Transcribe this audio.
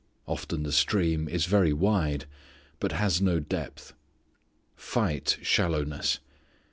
Often the stream is very wide but has no depth. Fight shallowness.